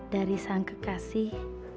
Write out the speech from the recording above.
dari sang kekasih